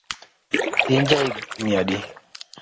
In ja igni adi?